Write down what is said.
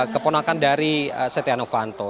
keponakan dari setia novanto